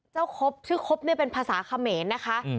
ครบชื่อครบเนี่ยเป็นภาษาเขมรนะคะ